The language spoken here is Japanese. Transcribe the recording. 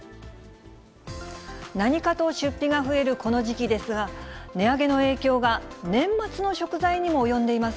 何かと出費が増えるこの時期ですが、値上げの影響が年末の食材にも及んでいます。